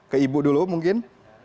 ke ibu dulu mungkin